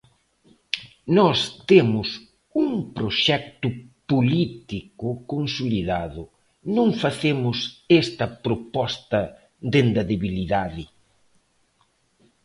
Nós temos un proxecto político consolidado, non facemos esta proposta dende a debilidade.